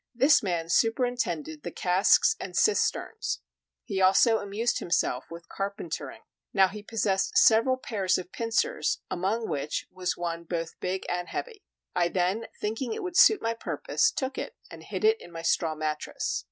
This man superintended the casks and cisterns; he also amused himself with carpentering. Now he possessed several pairs of pincers, among which was one both big and heavy. I then, thinking it would suit my purpose, took it and hid it in my straw mattress.